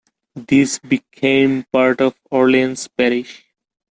These became part of Orleans Parish.